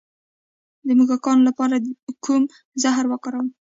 د موږکانو لپاره کوم زهر وکاروم؟